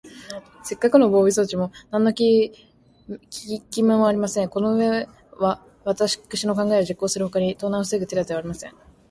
せっかくの防備装置も、なんのききめもありません。このうえは、わたくしの考えを実行するほかに、盗難をふせぐ手だてはありません。